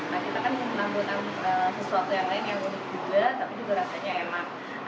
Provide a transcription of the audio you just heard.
nah kita kan menanggutan sesuatu yang lain yang unik juga tapi juga rasanya enak